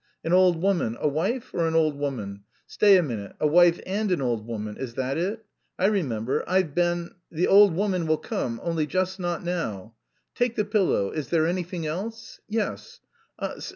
an old woman.... A wife or an old woman? Stay a minute: a wife and an old woman, is that it? I remember. I've been, the old woman will come, only not just now. Take the pillow. Is there anything else? Yes....